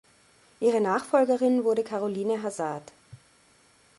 Ihre Nachfolgerin wurde Caroline Hazard.